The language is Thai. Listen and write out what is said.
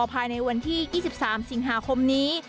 ภายในวันที่๒๓สิงหาคมนี้